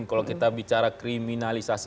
kalau kita bicara kriminalisasi